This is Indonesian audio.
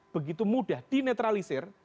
begitu mudah dinetralisir